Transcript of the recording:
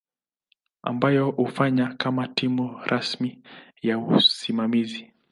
ambayo hufanya kama timu rasmi ya usimamizi.